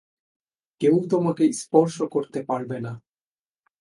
কেউ তোমাকে স্পর্শ করতে পারবে না।